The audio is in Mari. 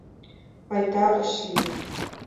Пайда ыш лий.